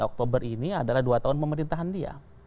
oktober ini adalah dua tahun pemerintahan dia